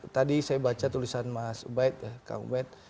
tadi saya baca tulisan mas ubaid kak ubaid